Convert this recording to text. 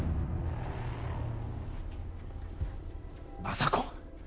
政子